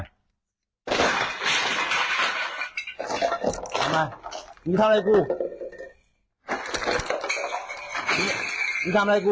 เอามานี่ทำอะไรกูนี่ทำอะไรกู